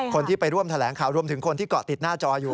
คนที่ไปร่วมแถลงข่าวรวมถึงคนที่เกาะติดหน้าจออยู่